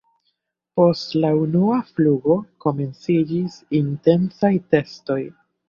Post la unua flugo komenciĝis intensaj testoj.